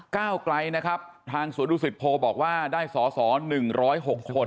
ก้าวไกลนะครับทางสวนดุสิทธิ์โพลบอกว่าได้สอสอหนึ่งร้อยหกคน